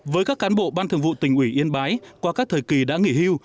với các cán bộ ban thường vụ tỉnh ủy yên bái qua các thời kỳ đã nghỉ hưu